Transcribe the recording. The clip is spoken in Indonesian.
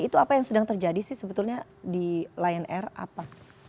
itu apa yang sedang terjadi sih sebetulnya di lion air apa